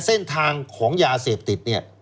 เส้นทางของยาเสพติด